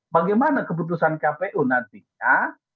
bagaimana keputusan kpu nantinya